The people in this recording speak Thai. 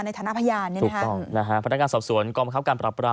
มาพูดแบบ